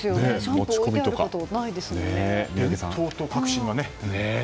伝統と革新がね。